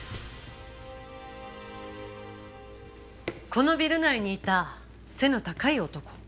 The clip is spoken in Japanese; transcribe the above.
このビル内にいた背の高い男。